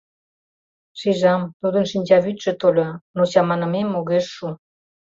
Шижам, тудын шинчавӱдшӧ тольо, но чаманымем огеш шу.